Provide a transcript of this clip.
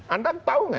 anda tahu gak